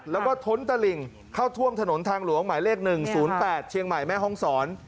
แล้วก็ท้นตะหลิ่งเข้าท่วมถนนทางหลวงหมายเลข๑๐๘เชียงใหม่แม่ห้องศร